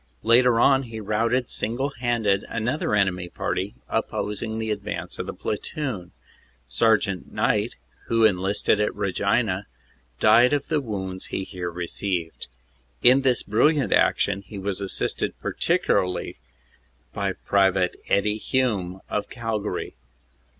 Later on he routed single handed another enemy party opposing the advance of the platoon. Sergt. Knight, who enlisted at Regina, died ot the wounds he here received. In this brilliant action he was assisted partic ularly by Pte. Eddie Hume, of Calgary.